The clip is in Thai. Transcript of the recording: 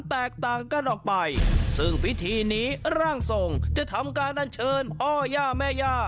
แตกต่างกันออกไปซึ่งพิธีนี้ร่างทรงจะทำการอันเชิญพ่อย่าแม่ย่า